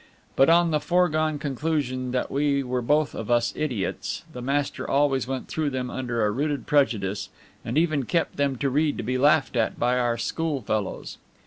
But on the foregone conclusion that we were both of us idiots, the master always went through them under a rooted prejudice, and even kept them to read to be laughed at by our schoolfellows.